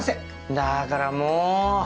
だからもう！